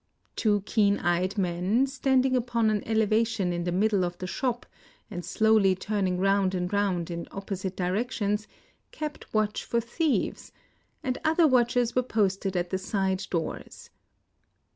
Two keen eyed men, standing upon an eleva tion in the middle of the shop, and slowly turning round and round in opposite direc tions, kept watch for thieves ; and other watchers were posted at the side doors.